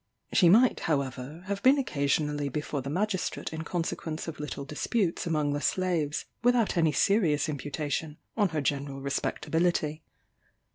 She might, however, have been occasionally before the magistrate in consequence of little disputes among the slaves, without any serious imputation on her general respectability.